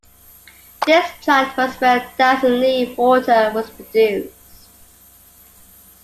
This plant was where Dasani water was produced.